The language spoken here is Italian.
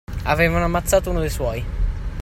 Avevano ammazzato uno dei suoi!